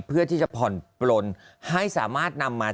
เพื่อที่จะผ่อนปลนให้สามารถนำมา